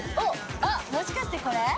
あっもしかしてこれ？